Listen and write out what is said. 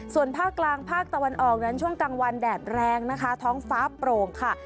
ส่วนภาคกลางภาคตะวันออกนั้นช่วงกลางวันแดดแรงนะคะท้องฟ้าโปร่งค่ะ